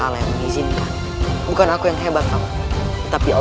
raden kamu harus bagaimana raden